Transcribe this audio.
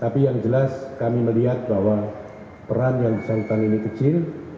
tapi yang jelas kami melihat bahwa peran yang bersangkutan ini kecil